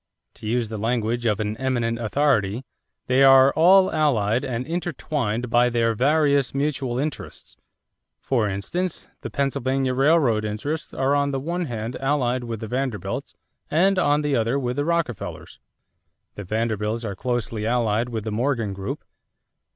To use the language of an eminent authority: "They are all allied and intertwined by their various mutual interests. For instance, the Pennsylvania Railroad interests are on the one hand allied with the Vanderbilts and on the other with the Rockefellers. The Vanderbilts are closely allied with the Morgan group....